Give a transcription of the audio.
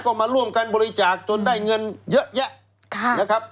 ก็มาร่วมกันบริจาคจนได้เงินเยอะแยะนะครับ